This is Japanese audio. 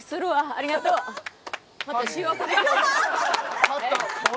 ありがとう。